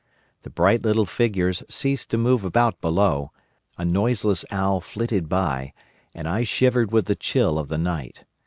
The bright little figures ceased to move about below, a noiseless owl flitted by, and I shivered with the chill of the night.